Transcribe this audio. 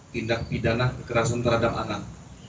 tindak pidana kekerasan terhadap anak